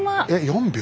４秒。